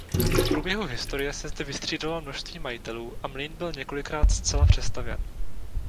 V průběhu historie se zde vystřídalo množství majitelů a mlýn byl několikrát zcela přestavěn.